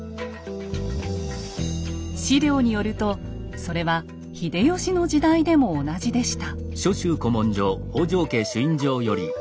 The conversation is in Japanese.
史料によるとそれは秀吉の時代でも同じでした。